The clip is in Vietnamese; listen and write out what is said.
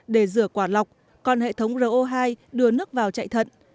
để rửa quả lọc còn hệ thống ro hai đưa nước vào chạy thận